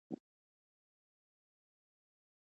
توپک د ټولنې وینه څښي.